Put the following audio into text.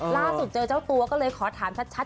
ล่าสุดเจอเจ้าตัวก็เลยขอถามชัด